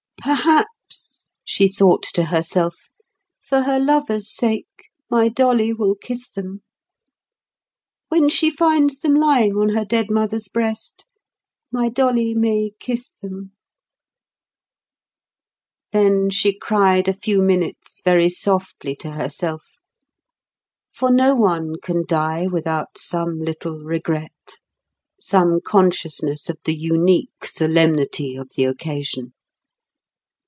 "Perhaps," she thought to herself, "for her lover's sake, my Dolly will kiss them. When she finds them lying on her dead mother's breast, my Dolly may kiss them." Then she cried a few minutes very softly to herself; for no one can die without some little regret, some consciousness of the unique solemnity of the occasion.